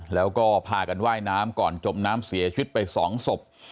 แล้วก็พากันว่ายน้ำก่อนจมน้ำเสียชีวิตไป๒ศพ